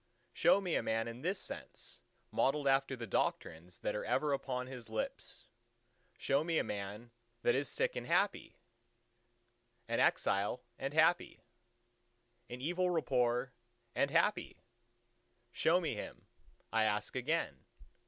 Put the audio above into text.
Show me a man in this sense modelled after the doctrines that are ever upon his lips. Show me a man that is sick—and happy; an exile—and happy; in evil report—and happy! Show me him, I ask again.